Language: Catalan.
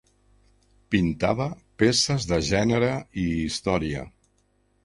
Pintava peces de gènere i història.